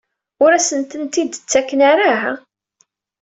Ur asen-tent-id-ttaken ara?